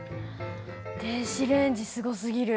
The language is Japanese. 電子レンジすごすぎる。